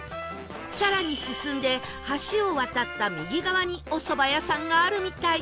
更に進んで橋を渡った右側にお蕎麦屋さんがあるみたい